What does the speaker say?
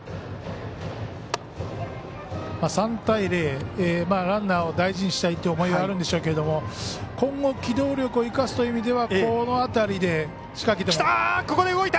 ３対０ランナーを大事にしたいという思いはあるんでしょうが今後、機動力を生かすという意味ではこの辺りで仕掛けても。